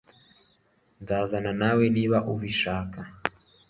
Nzazana nawe niba ubishaka